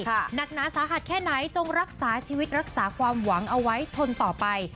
หนักหนาสาหัสแค่ไหนจงรักษาชีวิตรักษาความหวังเอาไว้ทนต่อไป